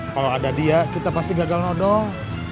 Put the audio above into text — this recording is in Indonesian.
kalo ada dia kita pasti gagal nodol